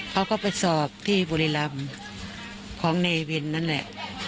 เขาก็ไปสอบที่บุรีรำของเนวินนั่นแหละ